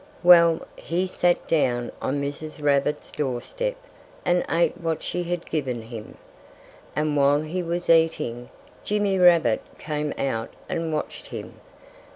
Well, he sat down on Mrs. Rabbit's doorstep and ate what she had given him. And while he was eating, Jimmy Rabbit came out and watched him.